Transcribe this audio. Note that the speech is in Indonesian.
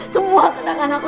semua kenangan aku